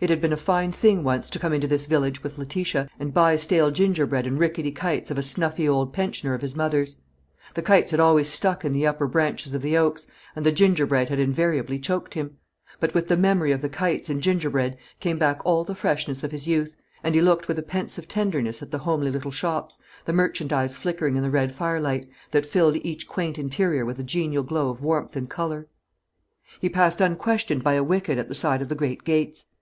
It had been a fine thing once to come into this village with Letitia, and buy stale gingerbread and rickety kites of a snuffy old pensioner of his mother's. The kites had always stuck in the upper branches of the oaks, and the gingerbread had invariably choked him; but with the memory of the kites and gingerbread came back all the freshness of his youth, and he looked with a pensive tenderness at the homely little shops, the merchandise flickering in the red firelight, that filled each quaint interior with a genial glow of warmth and colour. He passed unquestioned by a wicket at the side of the great gates.